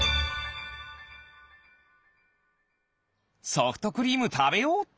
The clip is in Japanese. ソフトクリームたべようっと！